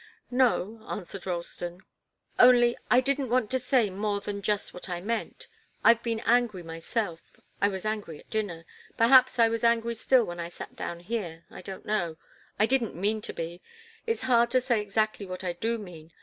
"No," answered Ralston. "Only I didn't want to say more than just what I meant. I've been angry myself I was angry at dinner perhaps I was angry still when I sat down here. I don't know. I didn't mean to be. It's hard to say exactly what I do mean.